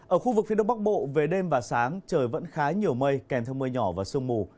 ở khu vực phía đông bắc bộ về đêm và sáng trời vẫn khá nhiều mây kèm theo mưa nhỏ và sương mù